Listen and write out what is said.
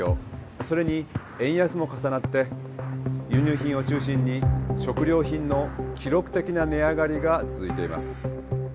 それに円安も重なって輸入品を中心に食料品の記録的な値上がりが続いています。